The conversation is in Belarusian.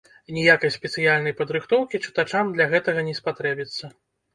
Ніякай спецыяльнай падрыхтоўкі чытачам для гэтага не спатрэбіцца.